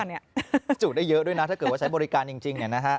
ประชุดได้เยอะด้วยนะถ้าเกิดว่าใช้บริการจริงนี่นะฮะ